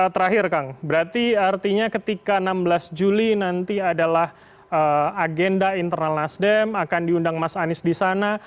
terakhir kang berarti artinya ketika enam belas juli nanti adalah agenda internal nasdem akan diundang mas anies di sana